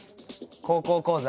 「高校講座」。